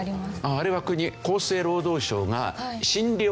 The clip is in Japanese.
あれは国厚生労働省が診療報酬。